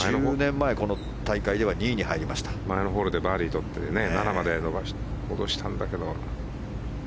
前のホールでバーディーを取って７まで戻したんだけど。